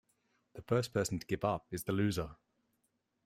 The first person to give up is the loser.